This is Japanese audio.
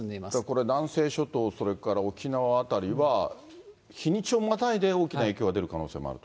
これ、南西諸島、それから沖縄辺りは、日にちをまたいで大きな影響が出る可能性もあると。